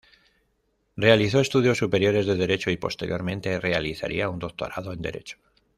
Realizó estudios superiores de derecho y posteriormente realizaría un doctorado en Derecho.